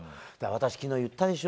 私、昨日言ったでしょ？